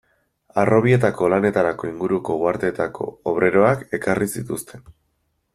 Harrobietako lanetarako inguruko uharteetako obreroak ekarri zituzten.